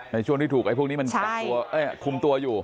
ในช่วงที่ถูกไอ้พวกนี้มันคุมตัวอยู่